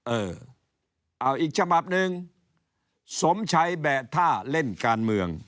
เออเอาอีกฉบับหนึ่งสมชัยแบะท่าเล่นการเมือง